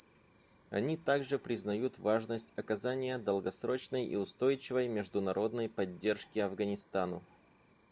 Они также признают важность оказания долгосрочной и устойчивой международной поддержки Афганистану.